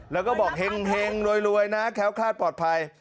แล้วก็บอกเห็งรวยนะแค้วคลาดปลอดภัย